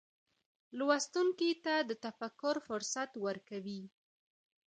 لوستونکي ته د تفکر فرصت ورکوي.